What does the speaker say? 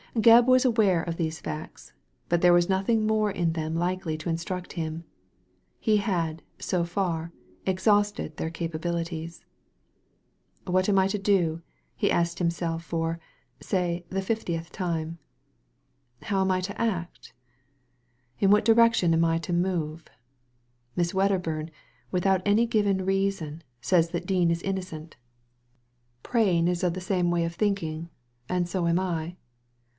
Gebb was aware of these fadts; but there was nothing more in them likely to instruct him. He had, so far, exhausted their capabilities. "What am I to do?" he asked himself for, say, the fiftieth time. "How am I to act? In which direction am I to move ? Miss Wedderburn, without any given reason, says that Dean is innocent Prain 119 Digitized by Google 120 THE LADY FROM NOWHERE is of the same way of thinking, and so am I.